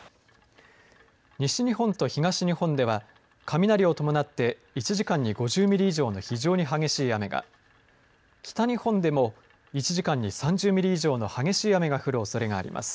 西日本と東日本では雷を伴って１時間に５０ミリ以上の非常に激しい雨が北日本でも１時間に３０ミリ以上の激しい雨が降るおそれがあります。